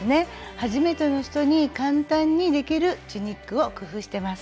初めての人に簡単にできるチュニックを工夫してます。